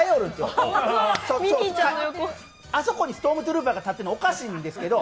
あそこにストームトルーパーが立ってるのおかしいんですけど。